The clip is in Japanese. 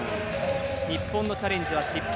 日本のチャレンジは失敗。